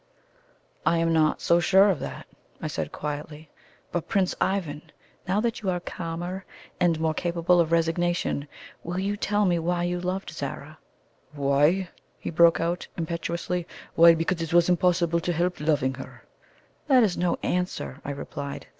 "I am not so sure of that," I said quietly, "But, Prince Ivan, now that you are calmer and more capable of resignation, will you tell me why you loved Zara?" "Why!" he broke out impetuously. "Why, because it was impossible to help loving her." "That is no answer," I replied.